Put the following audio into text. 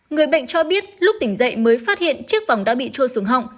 người bệnh cho biết lúc tỉnh dậy mới phát hiện chiếc vòng đã bị trôi xuống họng